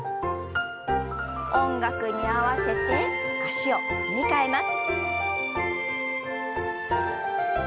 音楽に合わせて足を踏み替えます。